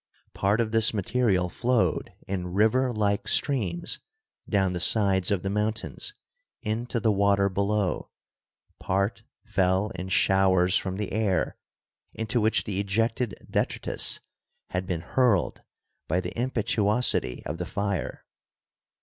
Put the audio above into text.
Part of this material flowed in river like streams down the sides of the mountains into the water below, part fell in showers from the air into which the ejected detritus had been hurled by the impetuosity of the fire.